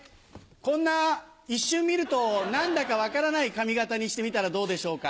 こんな一瞬見ると何だか分からない髪形にしてみたらどうでしょうか？